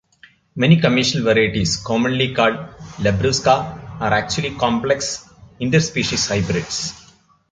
Many commercial varieties commonly called "labrusca" are actually complex interspecies hybrids.